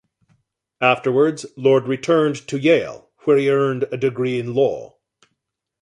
Afterwards, Lord returned to Yale, where he earned a degree in law.